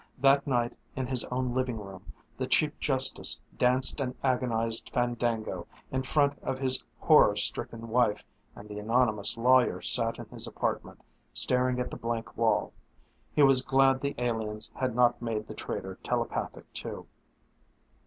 That night, in his own living room, the Chief Justice danced an agonized fandango in front of his horror stricken wife and the anonymous lawyer sat in his apartment, staring at the blank wall. He was glad the aliens had not made the traitor telepathic too.